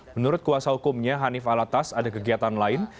menurut kuasa hukumnya hanif alatas ada kegiatan lain